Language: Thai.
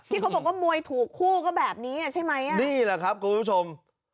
เขาบอกว่ามวยถูกคู่ก็แบบนี้ใช่ไหมอ่ะนี่แหละครับคุณผู้ชม